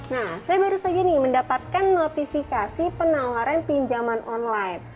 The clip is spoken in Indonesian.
nah saya baru saja nih mendapatkan notifikasi penawaran pinjaman online